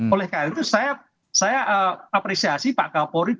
oleh karena itu saya apresiasi pak kapolri